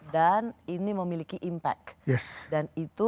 dan ini memiliki impact